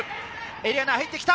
エリアに入ってきた。